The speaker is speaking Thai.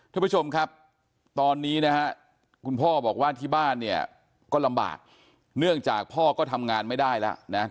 ทุกผู้ชมครับตอนนี้คุณพ่อบอกว่าที่บ้านก็ลำบากเนื่องจากพ่อก็ทำงานไม่ได้แล้ว